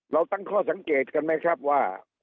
เราตั้งข้อสังเกตกันไหมครับว่า